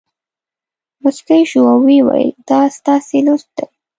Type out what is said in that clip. مسکی شو او ویې ویل دا ستاسې لطف دی.